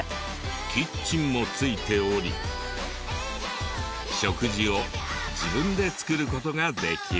キッチンも付いており食事を自分で作る事ができる。